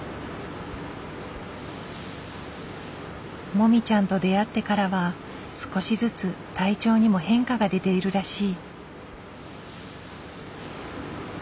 もみちゃんと出会ってからは少しずつ体調にも変化が出ているらしい。